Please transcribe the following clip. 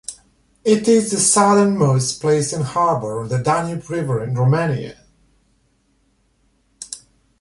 It is the southernmost place and harbour on the Danube river in Romania.